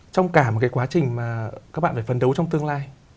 trong cả một cái quá trình mà các bạn phải phấn đấu trong tương lai